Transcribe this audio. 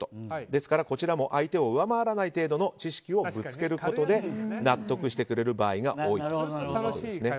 ですから、こちらも相手を上回らない程度の知識をぶつけることで納得してくれる場合が多いということです。